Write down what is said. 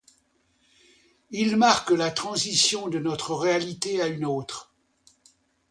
Ils marquent la transition de notre réalité à une autre.